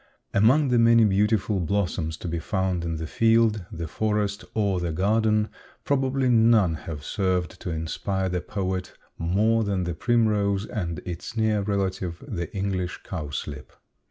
_ Among the many beautiful blossoms to be found in the field, the forest, or the garden probably none have served to inspire the poet more than the primrose and its near relative, the English cowslip.